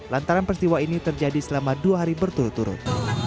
lantaran peristiwa ini terjadi selama dua hari berturut turut